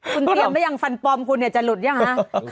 คุณเตรียมได้ยังฟันปลอมคุณจะหลุดหรือยังฮะ